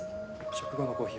食後のコーヒー